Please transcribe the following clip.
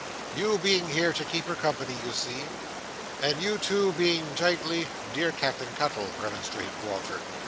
You being here to keep her company, you see, and you two being jintly—" "Dear Captain Cuttle!" remonstrated Walter.